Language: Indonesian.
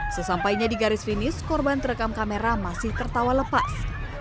sesampainya di garis finish korban terekam kamera masih tertawa lepas